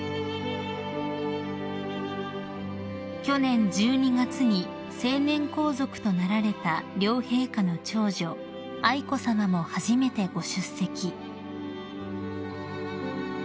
［去年１２月に成年皇族となられた両陛下の長女愛子さまも初めてご出席］